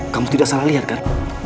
kamu tidak salah liar kan